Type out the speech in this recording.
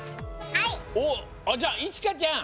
おっじゃあいちかちゃん。